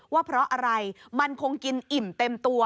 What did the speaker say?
ว่าเพราะอะไรมันคงกินอิ่มเต็มตัว